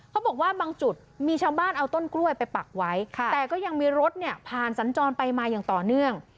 เขาบอกว่าบางจุดมีชาวบ้านเอาต้นกล้วยไปปักไว้แต่ก็ยังมีรถเนี่ยผ่านสัญจรไปมาอย่างต่อเนื่อง